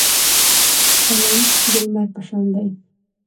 علم د لمر په شان دی.